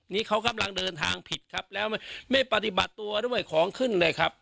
นี่เขากำลังเดินทางผิดครับแล้วไม่ปฏิบัติตัวด้วยของขึ้นเลยครับ